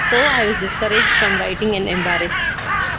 So I was discouraged from writing and embarrassed.